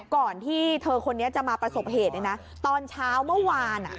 ก่อนที่เธอคนนี้จะมาประสบเหตุตอนเช้าเมื่อวาน